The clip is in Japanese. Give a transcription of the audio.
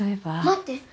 待って。